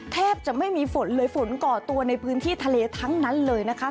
แทบจะไม่มีฝนเลยฝนก่อตัวในพื้นที่ทะเลทั้งนั้นเลยนะคะ